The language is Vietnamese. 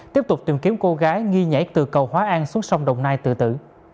tiếp tục tìm kiếm cô gái nghi nhảy từ cầu hóa an xuống sông đồng nai tự tử